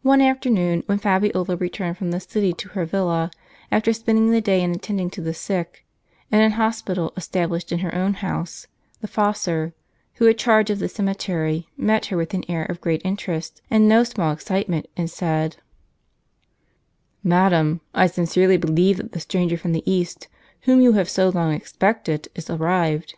One afternoon, when Fabiola returned from the city to her villa, after spending the day in attending to the sick, in an hospital established in her own house, the fossor, who had charge of the cemetery, met her with an air of great interest, and no small excitement, and said : "Madam, I sincerely believe that the stranger from the East, whom you have so long expected, is arrived."